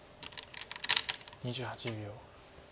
２８秒。